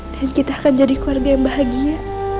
dan kita akan jadi keluarga yang bahagia